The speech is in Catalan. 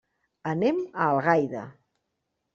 Anem a Algaida.